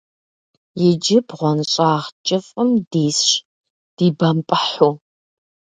Иджы бгъуэнщӀагъ кӀыфӀым дисщ, дибэмпӀыхьу.